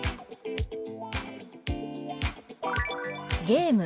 「ゲーム」。